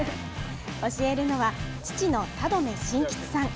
教えるのは、父の田留晋吉さん。